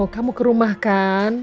kamu ke rumah kan